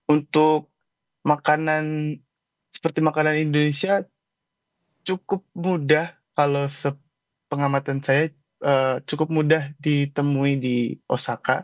untuk makanan seperti makanan indonesia cukup mudah kalau pengamatan saya cukup mudah ditemui di osaka